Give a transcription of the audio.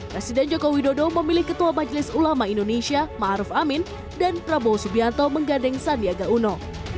presiden jokowi dodo memilih ketua majelis ulama indonesia ⁇ maruf ⁇ amin dan prabowo subianto menggandeng sandiaga uno